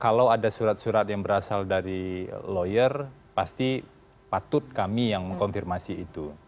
kalau ada surat surat yang berasal dari lawyer pasti patut kami yang mengkonfirmasi itu